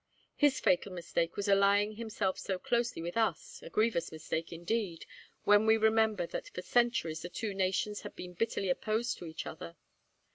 His fatal mistake was allying himself so closely with us a grievous mistake, indeed, when we remember that for centuries the two nations had been bitterly opposed to each other.